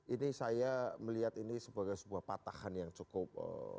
ini saya melihat ini sebagai sebuah patahan yang cukup